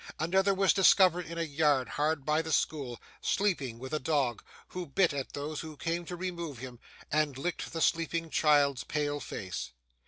Another was discovered in a yard hard by the school, sleeping with a dog, who bit at those who came to remove him, and licked the sleeping child's pale face.